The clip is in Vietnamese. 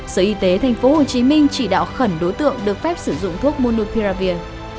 sở y tế tp hcm chỉ đạo khẩn đối tượng được phép sử dụng thuốc munupiravir